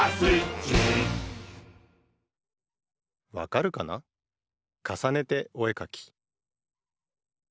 「わかるかな？かさねておえかき」